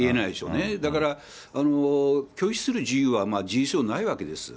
だから拒否する自由は事実上ないわけです。